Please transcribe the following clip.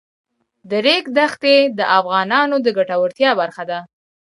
د ریګ دښتې د افغانانو د ګټورتیا برخه ده.